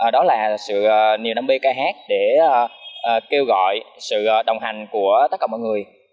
đó là sự niềm đam mê ca hát để kêu gọi sự đồng hành của tất cả mọi người